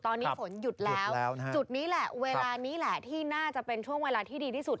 ตอนนี้ฝนหยุดแล้วจุดนี้แหละเวลานี้แหละที่น่าจะเป็นช่วงเวลาที่ดีที่สุด